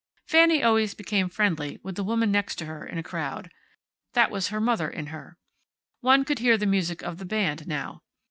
Fanny always became friendly with the woman next her in a crowd. That was her mother in her. One could hear the music of the band, now.